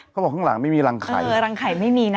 เขาบอกข้างหลังไม่มีรังไข่